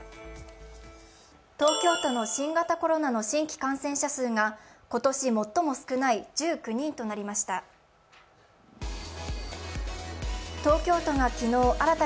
東京都の新型コロナの新規感染者数が今年最も少ない１９人となりました。